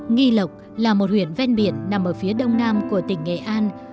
nghi lộc là một huyện ven biển nằm ở phía đông nam của tỉnh nghệ an